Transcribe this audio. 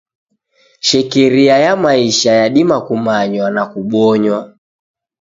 Shekeria ya maisha yadima kumanywa na kubonywa.